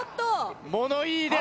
物言いです。